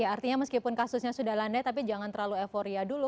artinya meskipun kasusnya sudah landai tapi jangan terlalu euforia dulu